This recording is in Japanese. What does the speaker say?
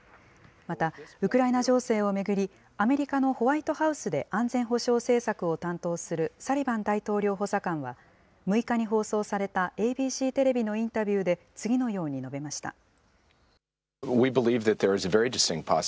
また、ウクライナ情勢を巡り、アメリカのホワイトハウスで安全保障政策を担当するサリバン大統領補佐官は、６日に放送されたＡＢＣテレビのインタビューで、次のように述べました。